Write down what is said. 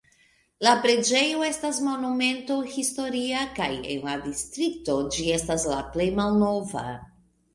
La preĝejo estas Monumento historia kaj en la distrikto ĝi estas la plej malnova.